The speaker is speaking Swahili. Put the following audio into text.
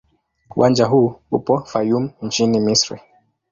Uwanja huu upo Fayoum nchini Misri.